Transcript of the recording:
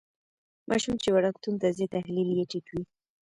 ماشوم چې وړکتون ته ځي تحلیل یې ټیټ وي.